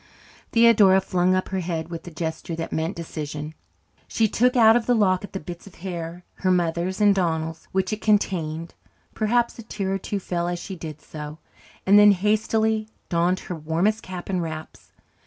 Theodora flung up her head with a gesture that meant decision. She took out of the locket the bits of hair her mother's and Donald's which it contained (perhaps a tear or two fell as she did so) and then hastily donned her warmest cap and wraps.